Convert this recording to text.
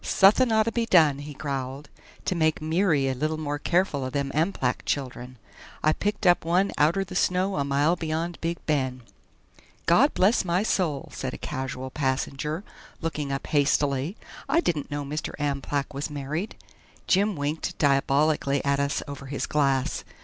"Suthin' ought to be done," he growled, "to make Meary a little more careful o' them Amplach children; I picked up one outer the snow a mile beyond Big Bend." "God bless my soul!" said a casual passenger, looking up hastily; "I didn't know Mr. Amplach was married." Jim winked diabolically at us over his glass.